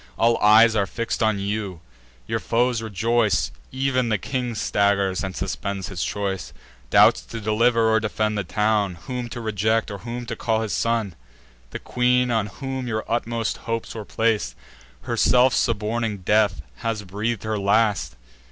All eyes are fix'd on you: your foes rejoice; Ev'n the king staggers, and suspends his choice; Doubts to deliver or defend the town, Whom to reject, or whom to call his son. The queen, on whom your utmost hopes were plac'd, Herself suborning death, has breath'd her last.